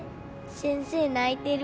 先生泣いてる？